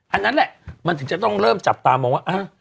อันนั้นแหละมันถึงจะต้องเริ่มจับตามองว่า